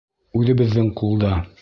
Үҙебеҙҙең ҡулда!